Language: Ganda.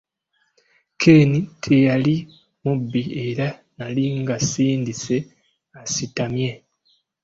Ken teyali mubi era nali ng'asindise asitamye.